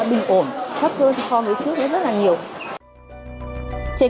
thấp hơn thì kho người trước rất là nhiều